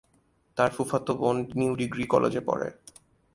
তার ফুফাতো বোন নিউ ডিগ্রি কলেজে পড়ে।